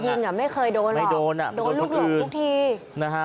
ไอ้เป้าที่จะยิงอ่ะไม่เคยโดนหรอกไม่โดนอ่ะโดนทุกทุกทีนะฮะ